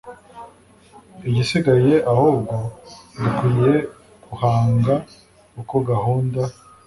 igisigaye ahubwo dukwiye gupanga uko gahunda